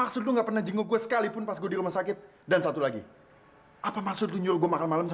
sampai jumpa di video selanjutnya